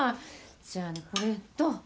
じゃあこれとこれ。